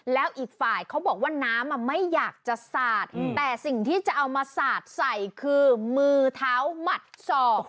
แล้วอีกฝ่ายเขาบอกว่าน้ำไม่อยากจะสาดแต่สิ่งที่จะเอามาสาดใส่คือมือเท้าหมัดศอก